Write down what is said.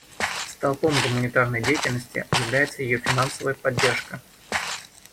Столпом гуманитарной деятельности является ее финансовая поддержка.